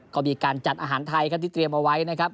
ก็มีการจัดอาหารไทยครับที่เตรียมเอาไว้นะครับ